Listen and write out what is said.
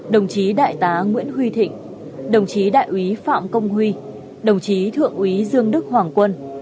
đồng chí đại tá nguyễn huy thịnh đồng chí đại úy phạm công huy đồng chí thượng úy dương đức hoàng quân